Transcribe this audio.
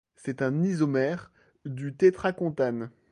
C'est un isomère du tétracontane.